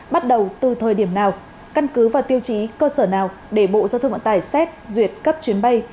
bắt đầu từ thời điểm nào căn cứ và tiêu chí cơ sở nào để bộ giao thông vận tải xét duyệt cấp chuyến bay